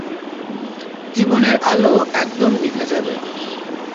জীবনের আলো একদম নিভে যাবে।